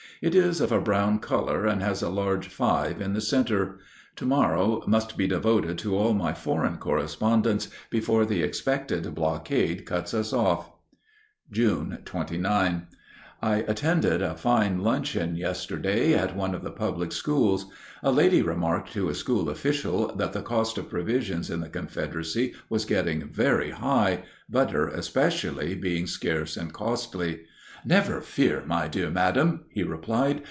It is of a brown color and has a large 5 in the center. To morrow must be devoted to all my foreign correspondents before the expected blockade cuts us off. June 29. I attended a fine luncheon yesterday at one of the public schools. A lady remarked to a school official that the cost of provisions in the Confederacy was getting very high, butter, especially, being scarce and costly. "Never fear, my dear madam," he replied.